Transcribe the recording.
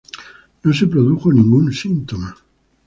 No se produjo ningún síntoma.